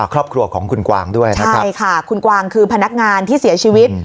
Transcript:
ครอบครัวของคุณกวางด้วยนะครับใช่ค่ะคุณกวางคือพนักงานที่เสียชีวิต